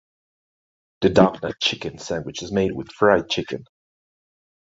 The doughnut chicken sandwich is made with fried chicken.